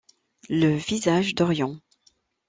Le visage d’Orion.